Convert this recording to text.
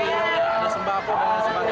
yang ada sembahku dan sebagainya